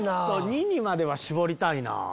２にまでは絞りたいなぁ。